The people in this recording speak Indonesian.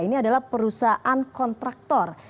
ini adalah perusahaan kontraktor